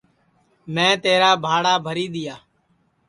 میں تیرا بھاڑا بھری دؔیا